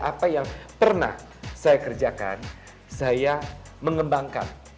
apa yang pernah saya kerjakan saya mengembangkan